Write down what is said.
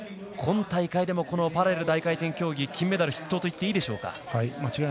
今大会でも、パラレル大回転競技金メダル筆頭といっていいでしょうか。